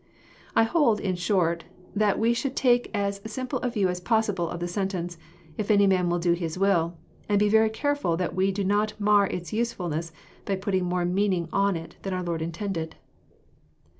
I hold, in short, that we should take as simple a view as possible of the sentence, '*If any man will do His will," and be very carefhl that we do not mar its usefVtlness by putting more meaning on it than our Lord intended.